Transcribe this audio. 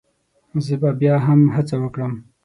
زه به بيا هم هڅه وکړم